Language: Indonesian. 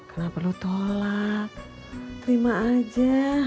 kenapa lo tolak terima aja